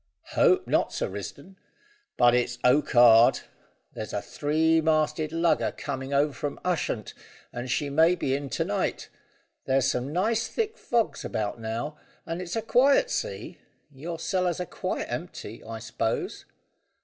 "Hope not, Sir Risdon; but it's okkard. There's a three masted lugger coming over from Ushant, and she may be in to night. There's some nice thick fogs about now, and it's a quiet sea. Your cellars are quite empty, I s'pose?"